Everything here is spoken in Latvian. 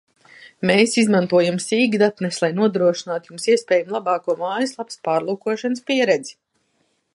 Mēs izmantojam sīkdatnes, lai nodrošinātu Jums iespējami labāko mājaslapas pārlūkošanas pieredzi